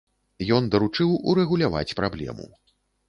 Ён даручыў урэгуляваць праблему.